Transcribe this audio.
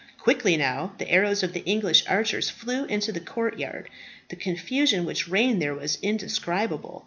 Quickly now the arrows of the English archers flew into the courtyard. The confusion which reigned there was indescribable.